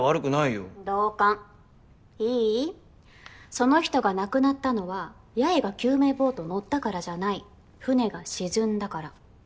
その人が亡くなったのは八重が救命ボート乗ったからじゃない船が沈んだから。